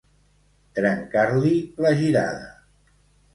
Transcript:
Trencar-li la girada.